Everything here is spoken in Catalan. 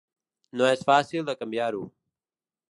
No és fàcil de canviar-ho.